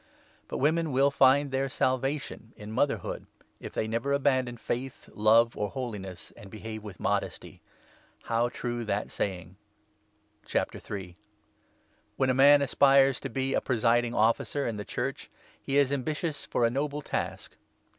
But women will find their salvation in mother ig hood, if they never abandon faith, love, or holiness, and behave with modesty. How true is that saying ! i When a man aspires to be a Presiding Officer Pofn'dine *n *^e Church, he is ambitious for a noble task.